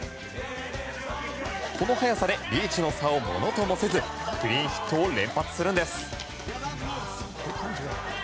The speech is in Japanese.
この速さでリーチの差をものともせずクリーンヒットを連発するんです。